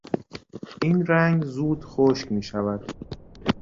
این رنگ زود خشک میشود.